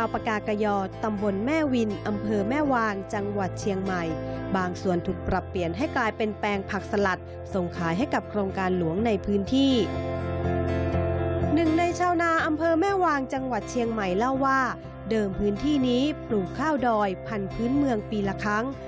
พื้นที่นี้ปลูกข้าวดอยพันธุ์พื้นเมืองปีละครั้ง